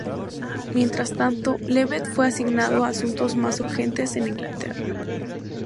Mientras tanto, Levett fue asignado a asuntos más urgentes en Inglaterra.